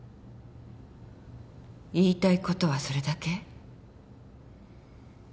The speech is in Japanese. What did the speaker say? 言いたいことはそれだけ？